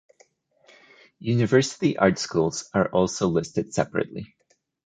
University art schools are also listed separately.